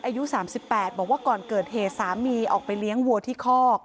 อายุ๓๘บอกว่าก่อนเกิดเหตุสามีออกไปเลี้ยงวัวที่คอก